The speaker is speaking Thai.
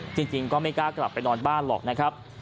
จริงก็ไม่กล้ากลับไปนอนบ้านหรอกนะครับ